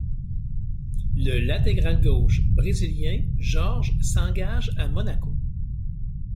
Le latéral gauche brésilien Jorge s'engage à Monaco.